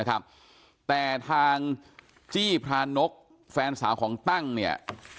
แต่ทางจี้พรานกแฟนสาวของตั้งเนี่ย